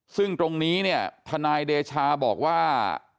ซึ่งตรงนี้เนี่ยทนายเดชาบอกว่า